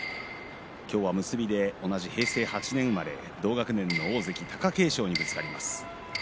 今日は結びで同じ平成８年生まれ同学年の大関貴景勝にぶつかります。